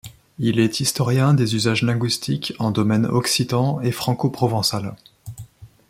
Il est historien des usages linguistiques en domaine occitan et francoprovençal.